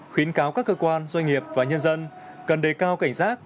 khuyến cáo các cơ quan doanh nghiệp và nhân dân cần đề cao cảnh giác